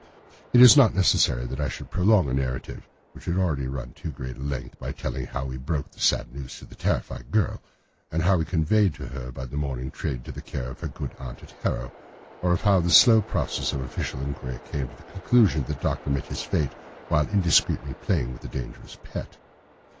It is not necessary that I should prolong a narrative which has already run to too great a length by telling how we broke the sad news to the terrified girl, how we conveyed her by the morning train to the care of her good aunt at Harrow, of how the slow process of official inquiry came to the conclusion that the doctor met his fate while indiscreetly playing with a dangerous pet.